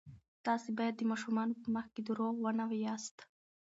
تاسې باید د ماشومانو په مخ کې درواغ ونه وایاست.